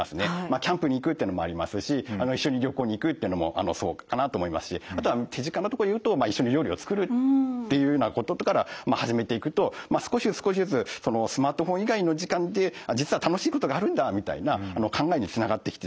キャンプに行くっていうのもありますし一緒に旅行に行くっていうのもそうかなと思いますしあとは手近なところでいうと一緒に料理を作るっていうようなことから始めていくと少しずつ少しずつスマートフォン以外の時間って実は楽しいことがあるんだみたいな考えにつながってきてですね